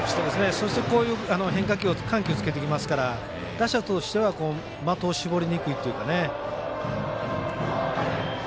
そして、こういう変化球で緩急つけてきますから打者としては的を絞りにくいというかね。